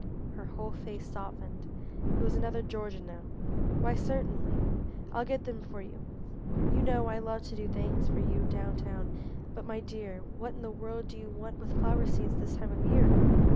Her whole face softened. It was another Georgia now. "Why certainly I'll get them for you; you know I love to do things for you down town, but my dear what in the world do you want with flower seeds this time of year?"